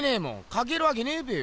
描けるわけねぇべよ。